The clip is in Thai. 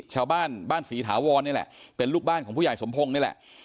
ชาวบ้านบ้านศรีถาวรนี่แหละเป็นลูกบ้านของผู้ใหญ่สมพงศ์นี่แหละ